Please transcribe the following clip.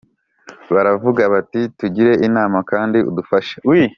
Baravuga bati «Tugire inama kandi udufashe!